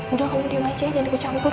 udah kamu di wajah jadi gue campur